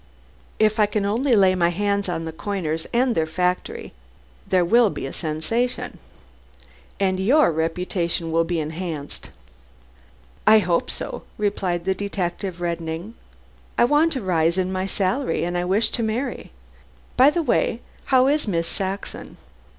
If I can only lay my hands on the coiners and their factory, there will be a sensation." "And your reputation will be enhanced." "I hope so," replied the detective, reddening. "I want a rise in my salary, as I wish to marry. By the way, how is Miss Saxon?"